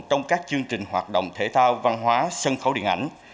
trong các chương trình hoạt động thể thao văn hóa sân khấu điện ảnh